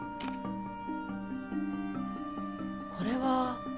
これは？